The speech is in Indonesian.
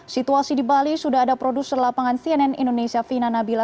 situasi di bali sudah ada produser lapangan cnn indonesia vina nabila